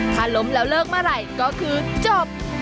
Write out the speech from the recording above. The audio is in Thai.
ถ้าล้มแล้วเลิกเมื่อไหร่ก็คือจบ